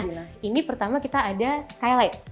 nah ini pertama kita ada skylight